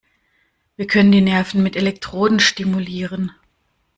Wir können die Nerven mit Elektroden stimulieren.